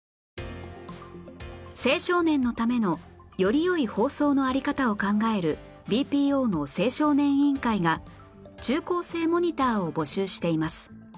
青少年のためのより良い放送のあり方を考える ＢＰＯ の青少年委員会が中高生モニターを募集しています